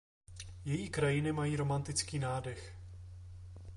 Její krajiny mají romantický nádech.